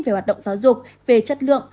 về hoạt động giáo dục về chất lượng